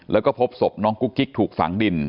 แล้วก็พบศพน้องกุ๊กกิ๊กถูกฝังดิน